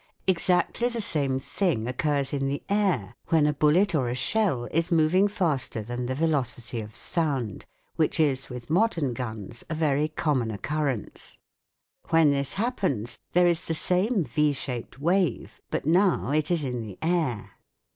Exactly the same thing occurs in the air when a bullet or a shell is moving faster t/L&+~ the velocity of sound, which is with modern guns a very common occurrence. When this happens there is the same V shaped wave, but now it is in the air.